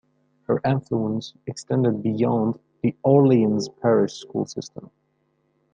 Her influence extended beyond the Orleans Parish School system.